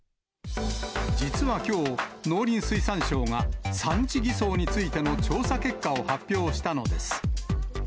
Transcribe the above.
実はきょう、農林水産省が、産地偽装についての調査結果を発表したのです。